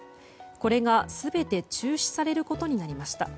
これが全て中止されることになりました。